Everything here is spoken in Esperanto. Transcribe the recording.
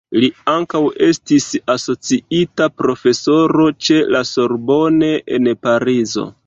Li ankaŭ estis asociita profesoro ĉe la Sorbonne en Parizo.